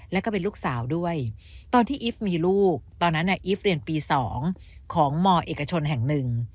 แล้วก็เป็นลูกสาวด้วยตอนที่อีฟมีลูกตอนนั้นอีฟเรียนปี๒ของมเอกชนแห่งหนึ่ง